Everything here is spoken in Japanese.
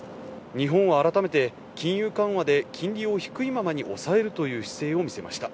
日本は改めて金融緩和で金利を低いままに抑えるという姿勢を見せました。